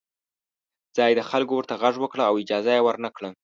ځايي خلکو ورته غږ وکړ او اجازه یې ورنه کړه.